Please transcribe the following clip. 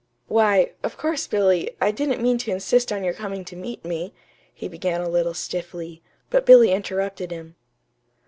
"Why, of course, Billy, I didn't mean to insist on your coming to meet me," he began a little stiffly; but Billy interrupted him.